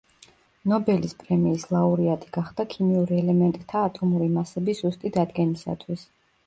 ნობელის პრემიის ლაურეატი გახდა ქიმიურ ელემენტთა ატომური მასების ზუსტი დადგენისათვის.